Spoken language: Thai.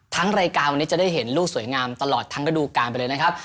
รายการวันนี้จะได้เห็นลูกสวยงามตลอดทั้งระดูการไปเลยนะครับ